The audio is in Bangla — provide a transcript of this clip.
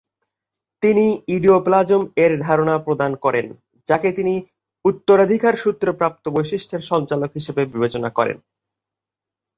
তিনি "ইডিওপ্লাজম"-এর ধারণা প্রদান করেন, যাকে তিনি উত্তরাধিকারসূত্রে প্রাপ্ত বৈশিষ্ট্যের সঞ্চালক হিসেবে বিবেচনা করেন।